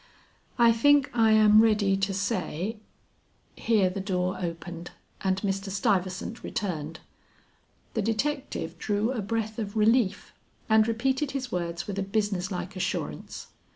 "I think I am ready to say " Here the door opened, and Mr. Stuyvesant returned. The detective drew a breath of relief and repeated his words with a business like assurance.